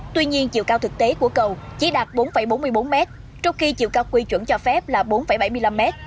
tuy nhiên chiều cao thực tế của cầu chỉ đạt bốn bốn mươi bốn m trong khi chiều cao quy chuẩn cho phép là bốn bảy mươi năm m